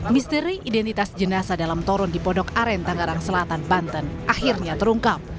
misteri identitas jenazah dalam torun di pondok aren tangerang selatan banten akhirnya terungkap